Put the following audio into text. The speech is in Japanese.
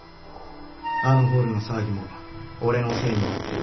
あのホールの騒ぎも俺のせいになっているのか？